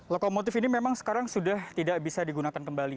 lokomotif ini memang sekarang sudah tidak bisa digunakan kembali